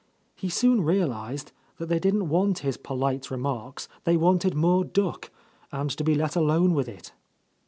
He soon realized that they didn't want his polite remarks; they wanted more duck, and to be let alone with it.